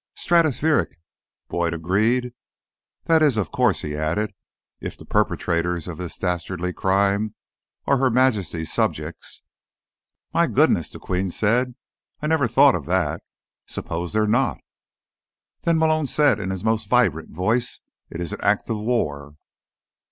"Stratospheric," Boyd agreed. "That is, of course," he added, "if the perpetrators of this dastardly crime are Her Majesty's subjects." "My goodness," the Queen said. "I never thought of that. Suppose they're not?" "Then," Malone said in his most vibrant voice, "it is an Act of War."